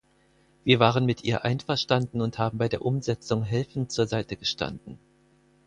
Wir waren mit ihr einverstanden und haben bei der Umsetzung helfend zur Seite gestanden.